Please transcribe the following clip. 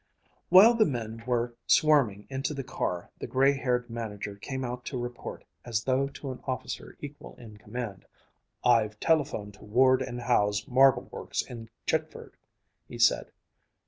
While the men were swarming into the car, the gray haired manager came out to report, as though to an officer equal in command, "I've telephoned to Ward and Howe's marble works in Chitford," he said.